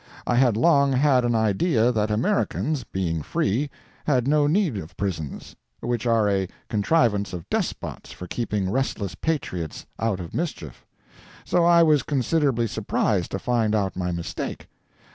I had long had an idea that Americans, being free, had no need of prisons, which are a contrivance of despots for keeping restless patriots out of mischief. So I was considerably surprised to find out my mistake.